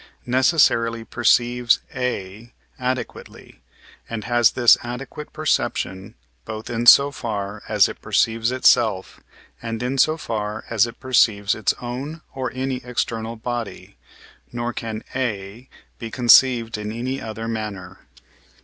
necessarily perceives A adequately, and has this adequate perception, both in so far as it perceives itself, and in so far as it perceives its own or any external body, nor can A be conceived in any other manner.